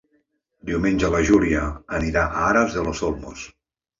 Diumenge na Júlia irà a Aras de los Olmos.